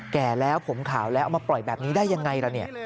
แก่แล้วผมขาวแล้วเอามาปล่อยแบบนี้ได้ยังไงล่ะเนี่ย